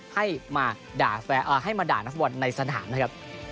ให้มาด่าแฟนเอ่อให้มาด่านักบอลในสถานนะครับ